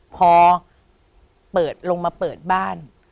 พอลงมาเปิดบ้าน